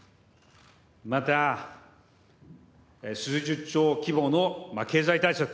また、数十兆規模の経済対策。